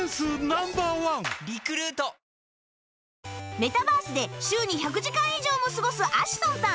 メタバースで週に１００時間以上も過ごすアシュトンさん